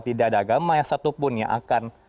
tidak ada agama yang satupun yang akan